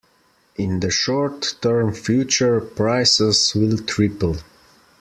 In the short term future, prices will triple.